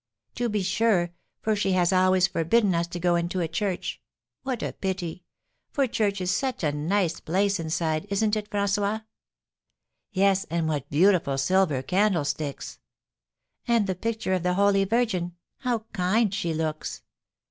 "To be sure, for she has always forbidden us to go into a church. What a pity! For church is such a nice place inside, isn't it, François?" "Yes; and what beautiful silver candlesticks!" "And the picture of the holy Virgin, how kind she looks!"